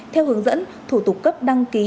theo hướng dẫn thủ tục cấp đăng ký